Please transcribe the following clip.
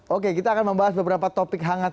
oke kita akan membahas beberapa topik hangat